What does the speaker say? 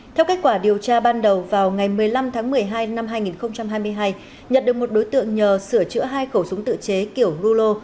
theo kết quả điều tra ban đầu vào ngày một mươi năm tháng một mươi hai năm hai nghìn hai mươi hai nhật được một đối tượng nhờ sửa chữa hai khẩu súng tự chế kiểu rulo